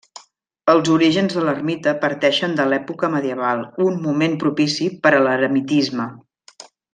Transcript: Els orígens de l'ermita parteixen de l'època medieval, un moment propici per a l'eremitisme.